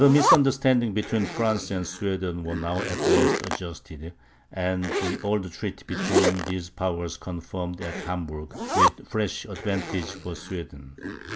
The misunderstandings between France and Sweden were now at last adjusted, and the old treaty between these powers confirmed at Hamburg, with fresh advantages for Sweden.